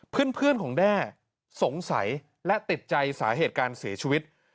เพื่อนของแด้สงสัยและติดใจสาเหตุการเสียชีวิต